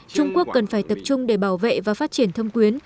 trung quốc cần phải tập trung để bảo vệ và phát triển thâm quyến